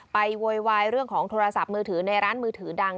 โวยวายเรื่องของโทรศัพท์มือถือในร้านมือถือดัง